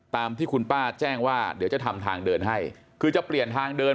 ตามที่คุณป้าแจ้งว่าเดี๋ยวจะทำทางเดินให้คือจะเปลี่ยนทางเดิน